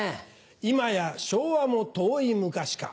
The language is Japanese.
今や昭和も遠い昔か。